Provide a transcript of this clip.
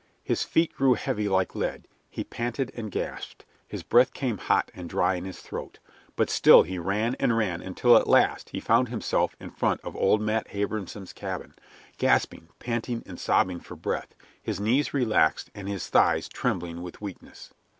His feet grew heavy like lead, he panted and gasped, his breath came hot and dry in his throat. But still he ran and ran until at last he found himself in front of old Matt Abrahamson's cabin, gasping, panting, and sobbing for breath, his knees relaxed and his thighs trembling with weakness.